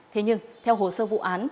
thế nhưng theo hồ sơ vụ án